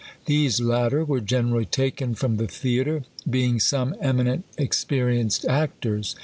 These latter were generally taken from the theatre, being some eminent experienced actors.